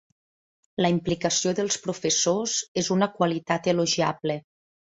La implicació dels professors és una qualitat elogiable.